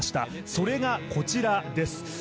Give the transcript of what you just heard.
それがこちらです。